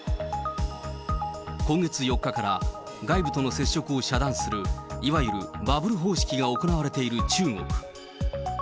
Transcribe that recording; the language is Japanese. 今月４日から外部との接触を遮断する、いわゆるバブル方式が行われている中国。